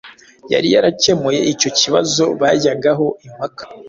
yari yarakemuye icyo kibazo bajyagaho impaka